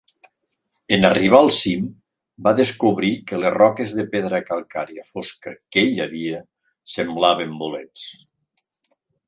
En arribar al cim, va descobrir que les roques de pedra calcària fosca que hi havia semblaven bolets.